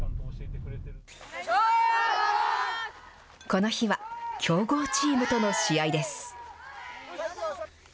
この日は、強豪チームとの試合です。